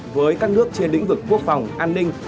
với các nước trên lĩnh vực quốc phòng an ninh